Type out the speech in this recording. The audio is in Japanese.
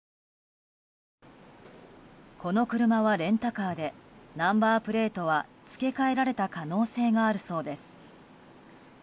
この車はレンタカーでナンバープレートは付け替えられた可能性があるそうです。